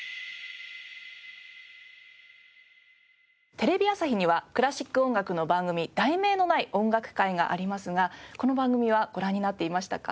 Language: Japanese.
テレビ朝日にはクラシック音楽の番組『題名のない音楽会』がありますがこの番組はご覧になっていましたか？